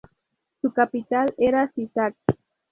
Su capital era Sisak.